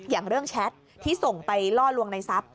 อย่างเรื่องแชทที่ส่งไปล่อลวงในทรัพย์